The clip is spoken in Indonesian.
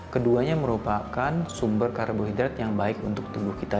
keduanya merupakan sumber karbohidrat yang baik untuk tubuh kita